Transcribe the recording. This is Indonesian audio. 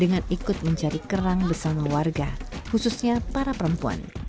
dengan ikut mencari kerang bersama warga khususnya para perempuan